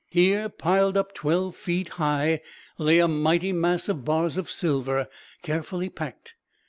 Here, piled up twelve feet high, lay a mighty mass of bars of silver, carefully packed.